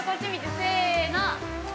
せの。